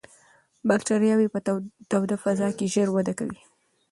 باکتریاوې په توده فضا کې ژر وده کوي.